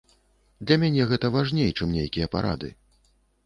Для мяне гэта важней, чым нейкія парады.